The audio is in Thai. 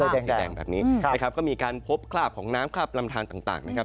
แดงแบบนี้นะครับก็มีการพบคราบของน้ำคราบลำทานต่างนะครับ